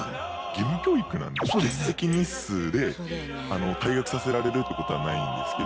義務教育なんで欠席日数で退学させられるってことはないんですけど。